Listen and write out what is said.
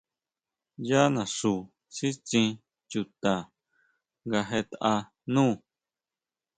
Yá naxu sítsin chuta nga jetʼa nú.